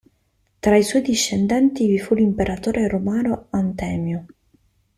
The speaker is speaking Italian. Tra i suoi discendenti vi fu l'imperatore romano Antemio.